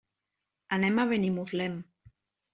Anem a Benimuslem.